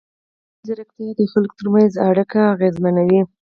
مصنوعي ځیرکتیا د خلکو ترمنځ اړیکې اغېزمنوي.